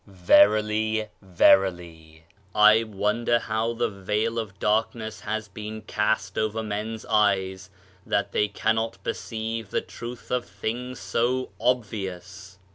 Verily, verily, I wonder how the veil of dark ness has been cast over men's eyes that they can not perceive the truth of things so obvious